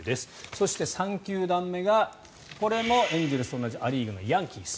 そして３球団目がこれもエンゼルスと同じア・リーグのヤンキース。